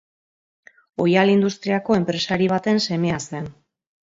Oihal industriako enpresari baten semea zen.